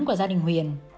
của gia đình huyền